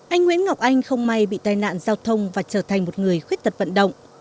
anh nguyễn ngọc anh không may bị tai nạn giao thông và trở thành một người khuyết tật vận động